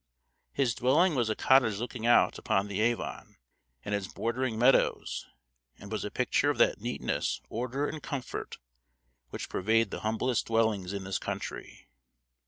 His dwelling was a cottage looking out upon the Avon and its bordering meadows, and was a picture of that neatness, order, and comfort which pervade the humblest dwellings in this country.